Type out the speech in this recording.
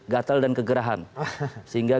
gatal dan kegerahan sehingga